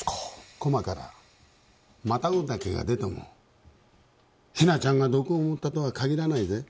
駒からマタゴダケが出ても日名ちゃんが毒を盛ったとは限らないぜ。